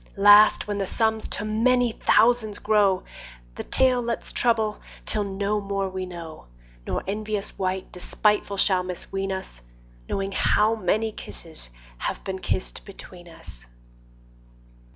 Last when the sums to many thousands grow, 10 The tale let's trouble till no more we know, Nor envious wight despiteful shall misween us Knowing how many kisses have been kissed between us.